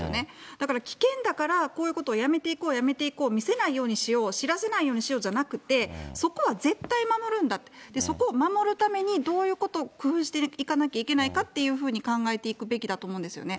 だから危険だから、こういうことをやめていこうやめていこう見せないようにしよう、知らせないようにしようじゃなくて、そこは絶対守るんだ、そこを守るためにどういうことを工夫していかなきゃいけないかっていうふうに考えていくべきだと思うんですよね。